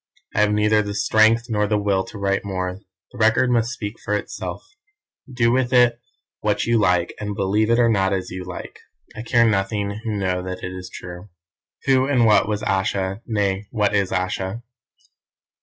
"I have neither the strength nor the will to write more. The Record must speak for itself. Do with it what you like, and believe it or not as you like. I care nothing who know that it is true. "Who and what was Ayesha, nay, what is Ayesha?